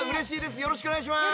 よろしくお願いします。